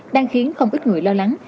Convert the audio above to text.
đang khiến không ít người lo lắng